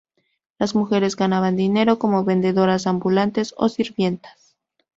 Las mujeres ganaban dinero como vendedoras ambulantes o sirvientas.